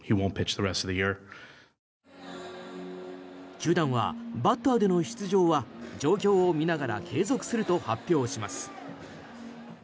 球団はバッターでの出場は状況を見ながら継続すると発表します。